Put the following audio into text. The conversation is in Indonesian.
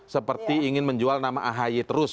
seperti ingin menjual nama ahy terus